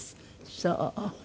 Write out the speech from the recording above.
そう。